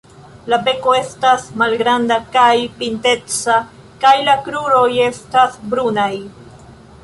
La beko estas malgranda kaj pinteca kaj la kruroj estas brunaj.